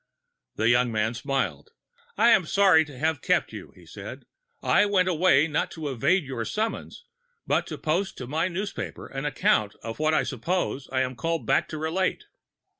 The young man smiled. "I am sorry to have kept you," he said. "I went away, not to evade your summons, but to post to my newspaper an account of what I suppose I am called back to relate."